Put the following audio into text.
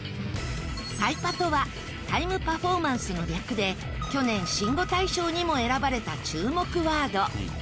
タイパとはタイムパフォーマンスの略で去年新語大賞にも選ばれた注目ワード